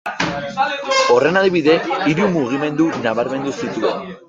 Horren adibide, hiru mugimendu nabarmendu zituen.